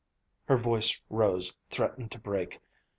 her voice rose, threatened to break.